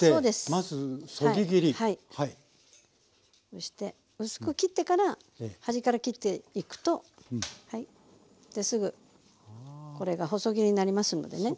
そして薄く切ってから端から切っていくとはいですぐこれが細切りになりますのでね。